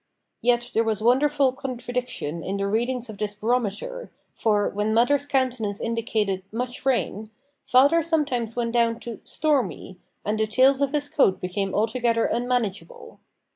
Yet there was wonderful contradiction in the readings of this barometer; for, when mother's countenance indicated "much rain," father sometimes went down to "stormy," and the tails of his coat became altogether unmanageable.